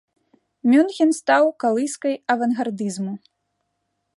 Мюнхен стаў калыскай авангардызму.